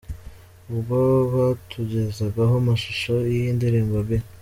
Ubwo batugezagaho amashusho y’iyi ndirimbo, B.